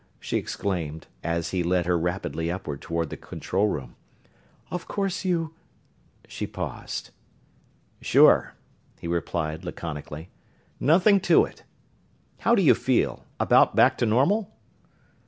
she exclaimed, as he led her rapidly upward toward the control room. "Of course you...." she paused. "Sure," he replied, laconically. "Nothing to it. How do you feel about back to normal?"